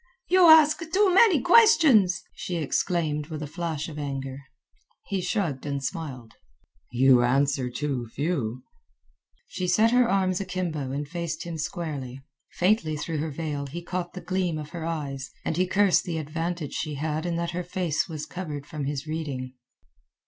"You ask too many questions," she exclaimed with a flash of anger. He shrugged and smiled. "You answer too few." She set her arms akimbo and faced him squarely. Faintly through her veil he caught the gleam of her eyes, and he cursed the advantage she had in that her face was covered from his reading.